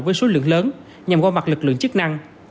với số lượng lớn nhằm qua mặt lực lượng chức năng